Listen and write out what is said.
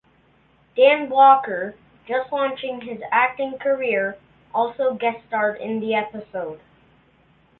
Dan Blocker, just launching his acting career, also guest starred in the episode.